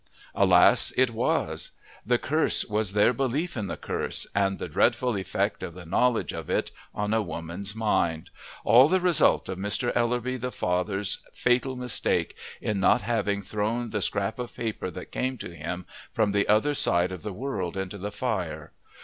Alas! it was; the curse was their belief in the curse, and the dreadful effect of the knowledge of it on a woman's mind all the result of Mr. Ellerby the father's fatal mistake in not having thrown the scrap of paper that came to him from the other side of the world into the fire.